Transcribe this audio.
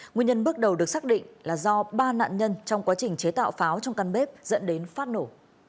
nguyên nhân bước đầu được xác định là do ba nạn nhân trong quá trình chế tạo pháo trong căn bếp dẫn đến phát nổ